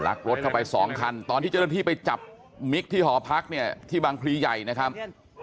รักรถเข้าไปสองคันตอนที่เจ้าหน้าที่ไปจับมิกที่หอพักเนี่ยที่บางพลีใหญ่นะครับ